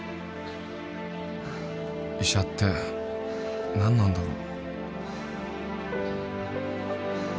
医者って何なんだろう